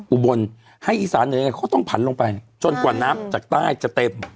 อุบลให้อีสานยังไงเขาต้องผันลงไปจนกว่าน้ำจากใต้จะเต็ม